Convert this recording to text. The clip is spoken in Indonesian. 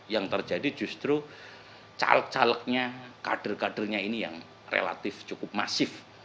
yang terjadi justru caleg calegnya kader kadernya ini yang relatif cukup masif